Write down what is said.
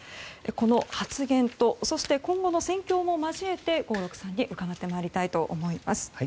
この発言と今後の戦況も交えて合六さんに伺ってまいりたいと思います。